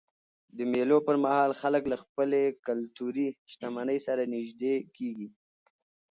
د مېلو پر مهال خلک له خپلي کلتوري شتمنۍ سره نيژدې کېږي.